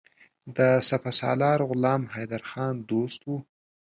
د سپه سالار غلام حیدرخان دوست وو.